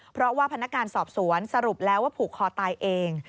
เพราะว่าพนักงานสอบสวนสรุปแล้วว่าผูกคอตายเอง